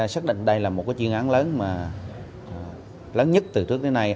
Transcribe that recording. xác định đây là một chuyên án lớn nhất từ trước đến nay